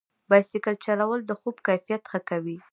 بایسکل چلول د خوب کیفیت ښه کوي.